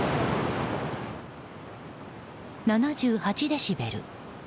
７８デシベル。